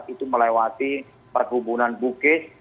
itu melewati pergubunan bukit